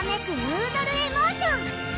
ヌードル・エモーション！